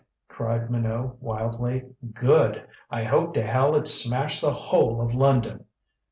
cried Minot wildly. "Good! I hope to hell it smashed the whole of London!"